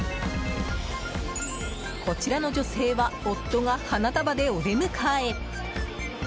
こちらの女性は夫が花束でお出迎え。